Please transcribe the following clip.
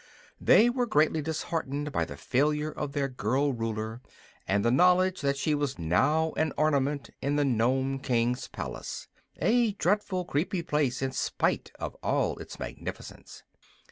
They were greatly disheartened by the failure of their girl Ruler, and the knowledge that she was now an ornament in the Nome King's palace a dreadful, creepy place in spite of all its magnificence.